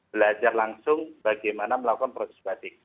belajar langsung bagaimana melakukan proses batik